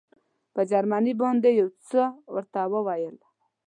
په جرمني باندې یې یو څه ورته وویل.